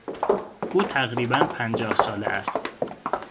او تقریبا پنجاه ساله است.